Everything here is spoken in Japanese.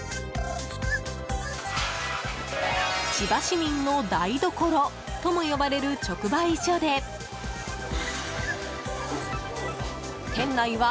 千葉市民の台所とも呼ばれる直売所で店内は、